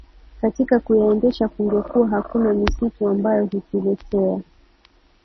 katika kuyaendesha kungekuwa hakuna misitu ambayo hutuletea